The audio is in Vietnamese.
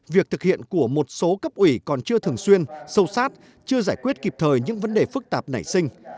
việc thực hiện của một số cấp ủy còn chưa thường xuyên sâu sát chưa giải quyết kịp thời những vấn đề phức tạp nảy sinh